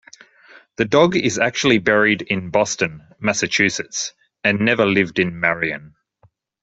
The dog is actually buried in Boston, Massachusetts and never lived in Marion.